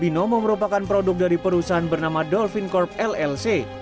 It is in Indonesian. binomo merupakan produk dari perusahaan bernama dolfin corp llc